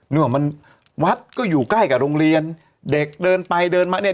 มันวัดก็อยู่ใกล้กับโรงเรียนเด็กเดินไปเดินมาเนี่ย